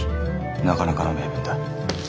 なかなかの名文だ。